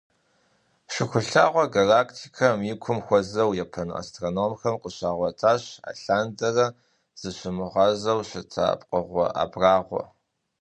Шыхулъагъуэ галактикэм и кум хуэзэу япон астрономхэм къыщагъуэтащ алъандэрэ зыщымыгъуазэу щыта пкъыгъуэ абрагъуэ.